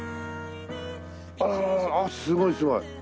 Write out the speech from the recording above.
ああすごいすごい。